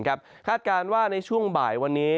คาดการณ์ว่าในช่วงบ่ายวันนี้